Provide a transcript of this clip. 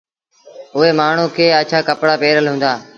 اُئي مآڻهوٚٚݩ کي اڇآ ڪپڙآ پهرل هُݩدآ